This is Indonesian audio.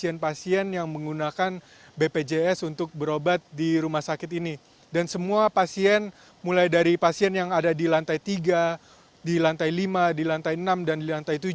pasien pasien yang menggunakan bpjs untuk berobat di rumah sakit ini dan semua pasien mulai dari pasien yang ada di lantai tiga di lantai lima di lantai enam dan di lantai tujuh